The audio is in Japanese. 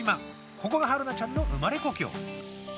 ここが春奈ちゃんの生まれ故郷。